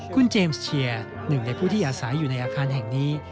คุณเจมส์เชียร์หนึ่งในผู้ที่อาศัยอยู่ในอาคารแห่งนี้